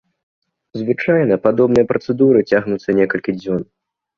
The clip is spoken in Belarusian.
Звычайна падобныя працэдуры цягнуцца некалькі дзён.